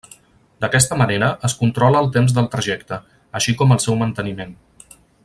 D'aquesta manera es controla el temps del trajecte, així com el seu manteniment.